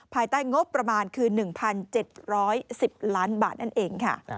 ภายใต้งบประมาณคือ๑๗๑๐ล้านบาทนั่นเองค่ะ